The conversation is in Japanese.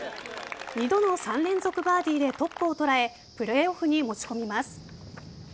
２度の３連続バーディーでトップを捉えプレーオフに持ち込みます。